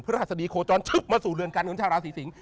พระราชดีโคจรมาสู่เรือนการเงินชาวราศีสิงศ์